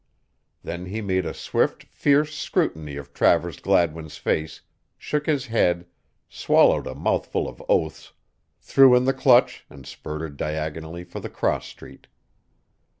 Then he made a swift, fierce scrutiny of Travers Gladwin's face, shook his head, swallowed a mouthful of oaths, threw in the clutch and spurted diagonally for the cross street.